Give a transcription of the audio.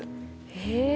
へえ。